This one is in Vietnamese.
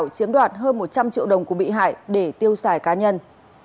chiếm đoạt hơn một trăm linh triệu đồng của bị hại để tiêu xài cá nhân